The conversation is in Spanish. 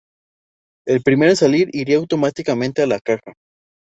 El primero en salir iría automáticamente a la caja.